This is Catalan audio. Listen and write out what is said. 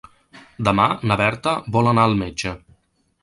Demà na Berta vol anar al metge.